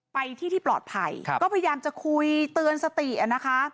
ไปที่ที่ปลอดภัยก็พยายามจะคุยเตือนสติอ่ะนะคะ